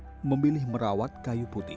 yang memilih merawat kayu putih